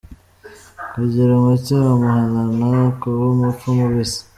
Kugira umutima muhanano = Kuba umupfu mubisi.